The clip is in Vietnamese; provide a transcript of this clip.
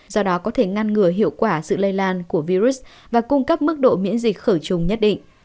do đó có thể ngăn ngừa hiệu quả sự lây lan của virus và cung cấp mức độ miễn dịch khởi trùng nhất định